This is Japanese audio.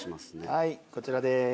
はいこちらでーす。